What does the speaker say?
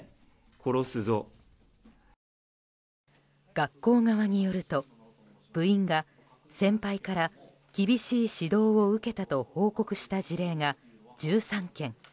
学校側によると部員が先輩から厳しい指導を受けたと報告した事例が１３件。